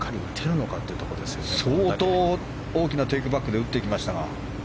相当大きなテイクバックで打っていきましたが。